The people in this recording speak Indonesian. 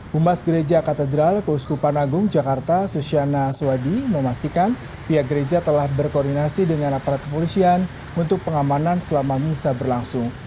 humas gereja katedral keuskupan agung jakarta susyana swadi memastikan pihak gereja telah berkoordinasi dengan aparat kepolisian untuk pengamanan selama misa berlangsung